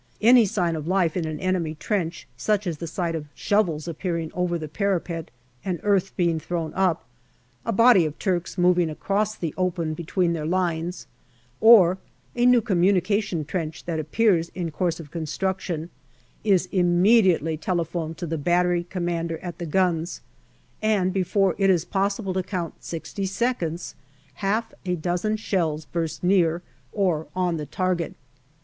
Any sign of life in an enemy trench, such as the sight of shovels appearing over the parapet and earth being thrown up, a body of Turks moving across the open behind their lines, or a new communication trench that appears in course of construction, is immedi ately telephoned to the battery commander at the guns, and before it is possible to count sixty seconds, half a dozen shells burst near or on the target.